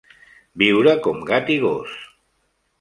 Viure com gat i gos.